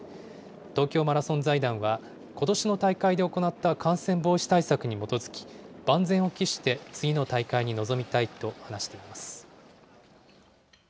東京マラソン財団は、ことしの大会で行った感染防止対策に基づき、万全を期して次の大会に臨みたいと話しています。